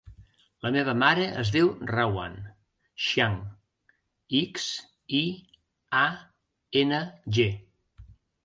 La meva mare es diu Rawan Xiang: ics, i, a, ena, ge.